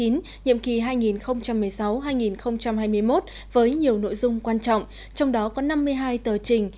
nhiệm kỳ hai nghìn một mươi sáu hai nghìn hai mươi một với nhiều nội dung quan trọng trong đó có năm mươi hai tờ trình